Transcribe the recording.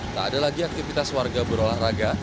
tak ada lagi aktivitas warga berolahraga